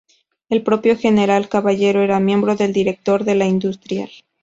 El propio general Caballero era miembro del directorio de La Industrial.